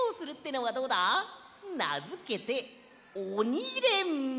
なづけて「おにれんぼ」！